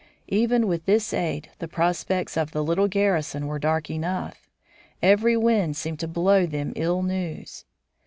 Even with this aid the prospects of the little garrison were dark enough. Every wind seemed to blow them ill news.